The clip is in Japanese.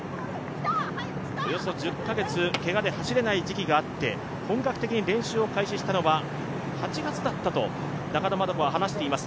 およそ１０か月、けがで走れない時期があって本格的に練習を開始したのは８月だったと中野円花は話しています。